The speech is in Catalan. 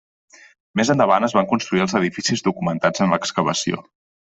Més endavant es van construir els edificis documentats en l'excavació.